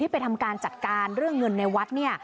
ที่ไปทำการจัดการเรื่องเงินในวัดเนี่ย